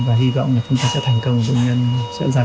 và hy vọng là chúng ta sẽ thành công bệnh nhân sẽ ra viện được